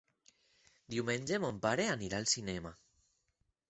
Diumenge mon pare anirà al cinema.